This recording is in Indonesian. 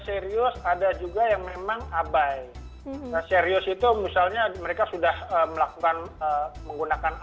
serius ada juga yang memang abai serius itu misalnya mereka sudah melakukan menggunakan